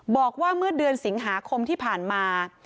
บอกว่าเมื่อเดือนสิงหาคมที่ผ่านมา